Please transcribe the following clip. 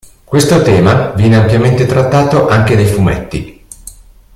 Questo tema viene ampiamente trattato anche nei fumetti.